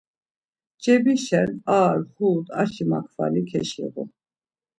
Cebişen ar xut aşi makvali keşiğu.